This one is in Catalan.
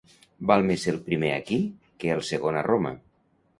Val més ser el primer aquí que el segon a Roma.